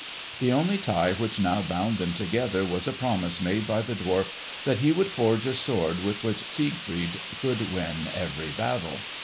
The only tie which now bound them together was a promise made by the dwarf that he would forge a sword with which Siegfried could win every battle.